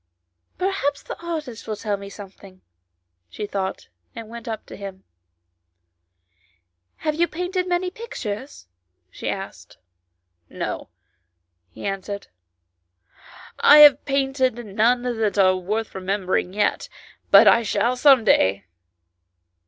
" Perhaps the artist will tell me something," she thought, and went up to him. "Have you painted many pictures ?" she asked. "No" he answered, "I have painted none that are worth remembering yet, but I shall some day."